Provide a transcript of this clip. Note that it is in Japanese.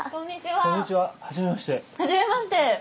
はじめまして。